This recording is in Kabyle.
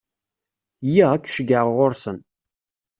Yya, ad k-ceggɛeɣ ɣur-sen.